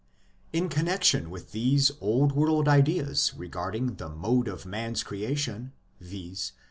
In connexion with these old world ideas regarding the mode of man s creation viz.